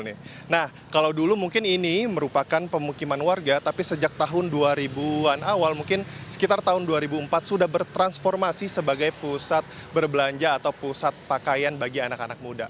nah kalau dulu mungkin ini merupakan pemukiman warga tapi sejak tahun dua ribu an awal mungkin sekitar tahun dua ribu empat sudah bertransformasi sebagai pusat berbelanja atau pusat pakaian bagi anak anak muda